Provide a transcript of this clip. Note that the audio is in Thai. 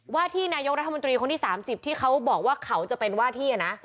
ว่าที่นายกรัฐมนตรีคนที่๓๐ที่เขาบอกว่าเขาจะเป็นว่าที่นะ